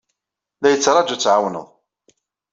La yettṛaju ad t-tɛawneḍ.